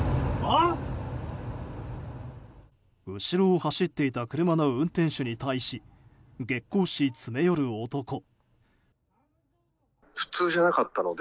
後ろを走っていた車の運転手に対し激高し、詰め寄る男。